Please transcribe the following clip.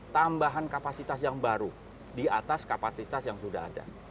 tambahan kapasitas yang baru di atas kapasitas yang sudah ada